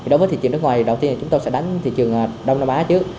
đối với thị trường nước ngoài đầu tiên chúng tôi sẽ đánh thị trường đông nam á trước